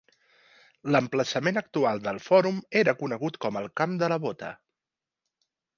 L'emplaçament actual del Fòrum era conegut com el Camp de la Bota.